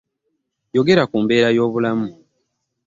Yogera ku mbeera y'obulamu.